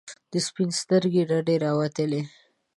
د سپین سترګي رډي راووتلې.